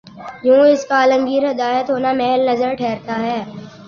یوں اس کا عالمگیر ہدایت ہونا محل نظر ٹھہرتا ہے۔